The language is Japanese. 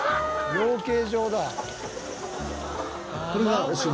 養鶏場だ。